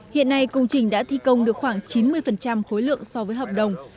hiện nay công trình đã thi công được khoảng chín mươi khối lượng so với hợp đồng